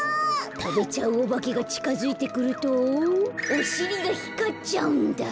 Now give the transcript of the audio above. たべちゃうおばけがちかづいてくるとおしりがひかっちゃうんだ。